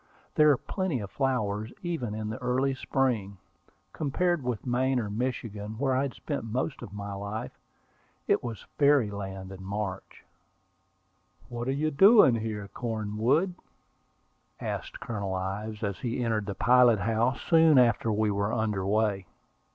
There are plenty of flowers, even in the early spring. Compared with Maine or Michigan, where I had spent most of my life, it was fairy land in March. "What are you doing here, Cornwood?" asked Colonel Ives, as he entered the pilot house, soon after we were under way.